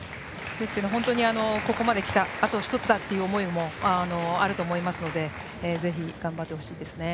ここまで来たあと１つだという思いもあると思いますのでぜひ頑張ってほしいですね。